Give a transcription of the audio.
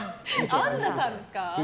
アンナさんですか。